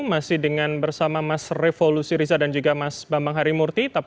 masih dengan bersama mas revo lusiriza dan juga mas bambang harimurti